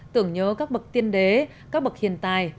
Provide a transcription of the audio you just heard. tưởng nhớ các bậc tiên đế các bậc hiền tài